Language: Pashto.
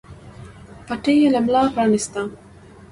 پټۍ يې له ملا پرانېسته.